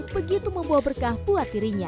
begitu membawa berkah buat dirinya